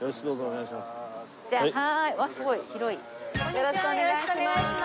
よろしくお願いします。